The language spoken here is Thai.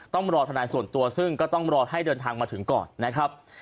ต้องรอธนายส่วนตัวซึ่งก็ต้องรอให้เดินทางมาถึงก่อนนะครับ